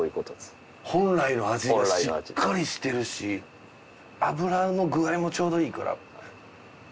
本来の味がしっかりしてるし脂の具合もちょうどいいから。